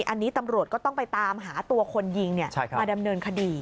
อันนี้ตำรวจก็ต้องไปตามหาตัวคนยิงมาดำเนินคดี